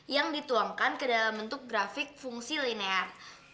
yang dituangkan ke dalam bentuk grafik fungsi linear